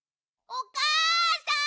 ・おかあさん！